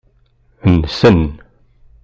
Nnsen.